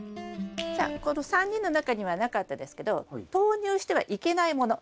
じゃあこの３人の中にはなかったですけど投入してはいけないものというのがあります。